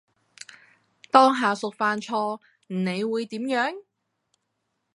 當下屬犯錯你會點樣？